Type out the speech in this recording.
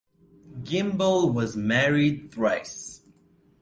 Gimbel was married thrice.